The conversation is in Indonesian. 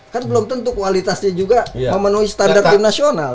kan belum tentu kualitasnya juga memenuhi standar tim nasional